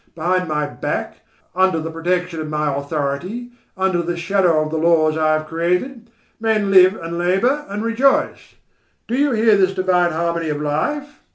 Behind my back, under the protection of my authority, under the shadow of the laws I have created, men live and labour and rejoice. Do you hear this divine harmony of life?